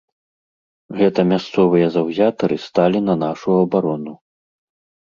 Гэта мясцовыя заўзятары сталі на нашу абарону.